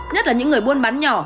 nhất là những người buôn bán nhỏ